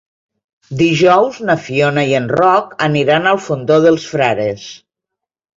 Dijous na Fiona i en Roc aniran al Fondó dels Frares.